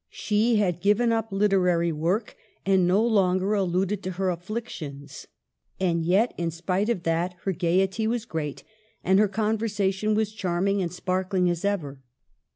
She had given up literary work, and no longer alluded to her afflic tions ; and yet, in spite of that, her gaiety was great and her conversation as charming and sparkling as ever.